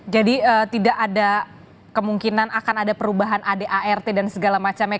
jadi tidak ada kemungkinan akan ada perubahan adart dan segala macamnya